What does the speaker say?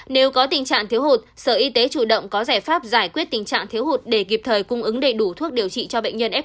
nếu có tình trạng thiếu hụt sở y tế chủ động có giải pháp giải quyết tình trạng thiếu hụt để kịp thời cung ứng đầy đủ thuốc điều trị cho bệnh nhân f một